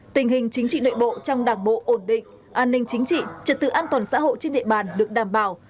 tình hình chính trị nội bộ trong đảng bộ ổn định an ninh chính trị trật tự an toàn xã hội trên địa bàn được đảm bảo